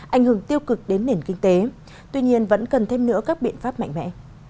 ảnh hưởng tiêu cực đến nền kinh tế tuy nhiên vẫn cần thêm nữa các biện pháp mạnh mẽ